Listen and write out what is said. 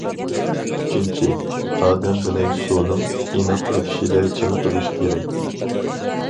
ئۈچىنچى، ئادەم بىلەن سۇنىڭ ئىناق ئۆتۈشىدە چىڭ تۇرۇش كېرەك.